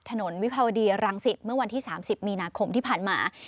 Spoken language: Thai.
วิภาวดีรังสิตเมื่อวันที่๓๐มีนาคมที่ผ่านมา